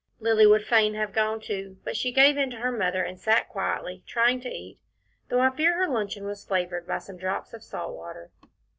Lilly would fain have gone too, but she gave in to her Mother, and sat quietly, trying to eat, though I fear her luncheon was flavoured by some drops of salt water.